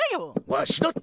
わしだって。